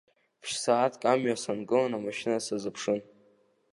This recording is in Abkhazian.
Ԥшь-сааҭк амҩа сангыланы амашьына сазыԥшын.